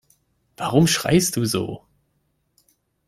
Warum schreist du so?